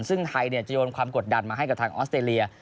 ซึ่งไทยจะโยนความกดดันมาให้กับทางออสเตรเลีย